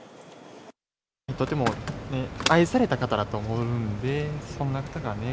とても愛された方だと思うんで、そんな方がね。